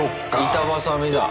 板挟みだ。